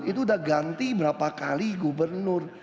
itu udah ganti berapa kali gubernur